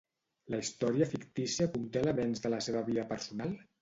La història fictícia conté elements de la seva vida personal?